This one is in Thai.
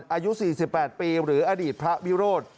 อายุ๔๘ปีหรืออดีตพระวิโรธ